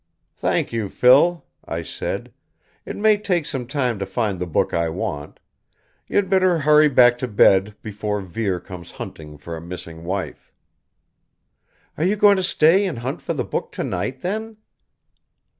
"Thank you, Phil," I said. "It may take some time to find the book I want. You had better hurry back to bed before Vere comes hunting for a missing wife." "Are you going to stay and hunt for the book tonight, then?"